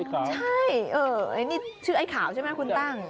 ใช่เออชื่อไอข่าวใช่ไหมคุณตั้ง